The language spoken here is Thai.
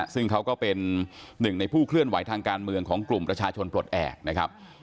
ซึ่งเขาก็เป็นหนึ่งในผู้เคลื่อนไหวทางการเมืองของกลุ่มประชาชนปลดแอบนะครับ